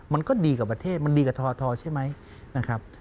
มันก็ดีกว่าประเทศมันดีกว่าททใช่ไหมนะครับ